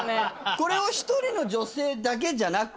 これを１人の女性だけじゃなく。